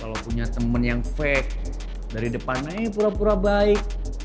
kalo punya temen yang fake dari depannya pura pura baik